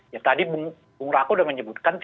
ya tadi bung rako udah menyebutkan tiga hari